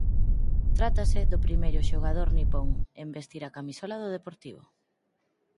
Trátase do primeiro xogador nipón en vestir a camisola do Deportivo.